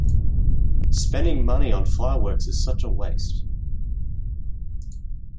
Spending money on fireworks is such a waste!